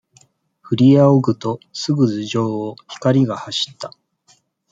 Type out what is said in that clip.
ふりあおぐと、すぐ頭上を、光が走った。